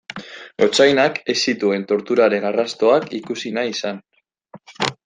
Gotzainak ez zituen torturaren arrastoak ikusi nahi izan.